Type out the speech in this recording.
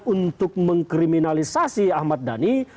untuk mengkriminalisasi ahmad dhani